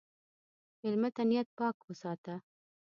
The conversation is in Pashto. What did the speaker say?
مېلمه ته نیت پاک وساته.